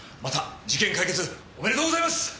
また事件解決おめでとうございます！